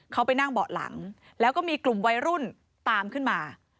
เขาไปนั่งเบาะหลังแล้วก็มีกลุ่มวัยรุ่นตามขึ้นมา